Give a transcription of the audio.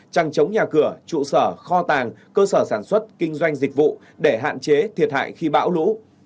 trăng chống nhà cửa trụ sở kho tàng cơ sở sản xuất kinh doanh dịch vụ để hạn chế thiệt hại khi bão lũ